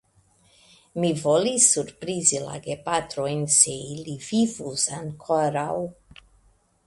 Mi volis surprizi la gepatrojn, se ili vivus ankoraŭ.